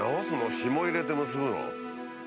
ひも入れて結ぶの？